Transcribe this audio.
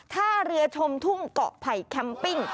ท่าเรือชมทุ่งเกาะไผ่แคมปิ้ง